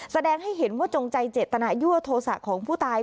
แสดงให้เห็นว่าจงใจเจตนายั่วโทษะของผู้ตาย